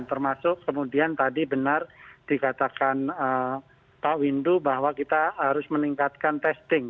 termasuk kemudian tadi benar dikatakan pak windu bahwa kita harus meningkatkan testing